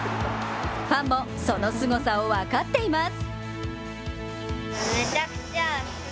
ファンもそのすごさを分かっています。